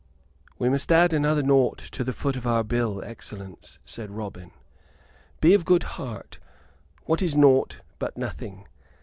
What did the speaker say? "We must add another 'nought' to the foot of our bill, excellence," said Robin, gravely. "Be of good heart; what is 'nought' but nothing?